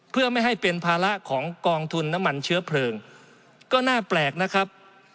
เพื่อไม่ให้เป็นภาระของกองทุนน้ำมันเชื้อเพลิงก็น่าแปลกนะครับ